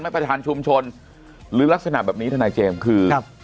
ประธานชุมชนหรือลักษณะแบบนี้ทนายเจมส์คือครับ